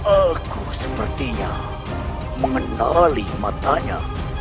aku sepertinya mengenali matanya